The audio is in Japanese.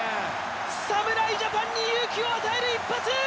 侍ジャパンに勇気を与える一発！